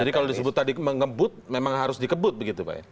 jadi kalau disebut tadi mengembut memang harus dikebut begitu pak ya